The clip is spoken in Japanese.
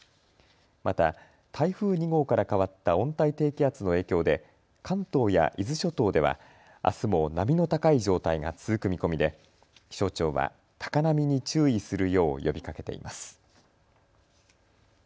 また台風２号から変わった温帯低気圧の影響で関東や伊豆諸島ではあすも波の高い状態が続く見込みで気象庁は高波に注意するよう呼びかけています。